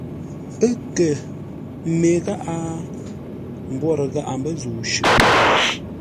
Ə́ kə mê gháʼá? Mbwórə gháʼa mbə́ zə̂u shʉʼʉ ?